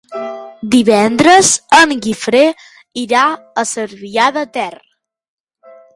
Divendres en Guifré irà a Cervià de Ter.